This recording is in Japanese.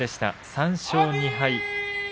３勝２敗。